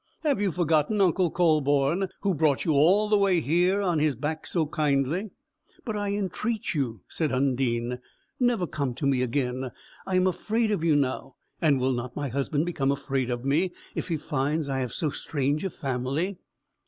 Have you forgotten Uncle Kühleborn, who brought you all the way here on his back so kindly?" "But I entreat you," said Undine, "never come to me again. I am afraid of you now; and will not my husband become afraid of me, if he finds I have so strange a family?"